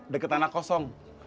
deket tanah kosong